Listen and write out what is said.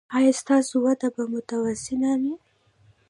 ایا ستاسو وده به متوازنه وي؟